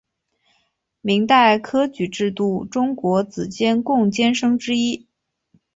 明代科举制度中国子监贡监生之一。